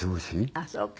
あっそうか。